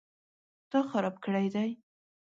_تا خراب کړی دی؟